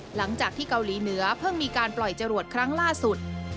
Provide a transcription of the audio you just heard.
หลังจากที่เกาหลีเหนือเพิ่งมีการปล่อยจรวดครั้งล่าสุด